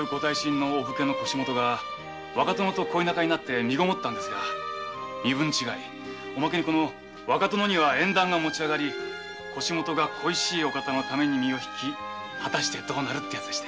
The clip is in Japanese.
お武家の腰元が若殿と恋仲になり身籠るが身分違いおまけに若殿には縁談が持ちあがり腰元が恋しい方のために身をひきはたしてどうなるってやつで。